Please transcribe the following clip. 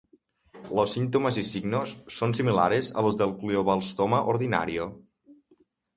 Los síntomas y signos son similares a los del glioblastoma ordinario.